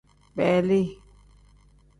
Beeli.